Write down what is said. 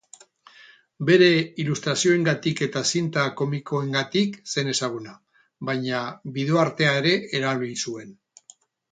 Bere ilustrazioengatik eta zinta komikoengatik zen ezaguna, baina bideoartea ere erabili zuen.